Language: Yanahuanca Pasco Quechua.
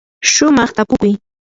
shumaq tapukuy.